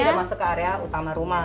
jadi tidak masuk ke area utama rumah gitu